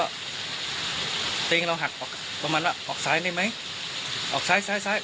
ตัวเองเราหักออกประมาณว่าออกซ้ายได้ไหมออกซ้ายซ้ายซ้าย